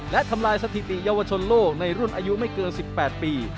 และทำลายสถิติเยาวชนโลกในรุ่นอายุไม่เกิน๑๘ปี